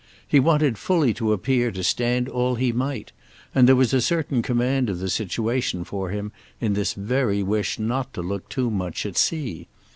He wanted fully to appear to stand all he might; and there was a certain command of the situation for him in this very wish not to look too much at sea.